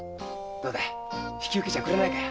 どうだい引き受けちゃくれねえかい。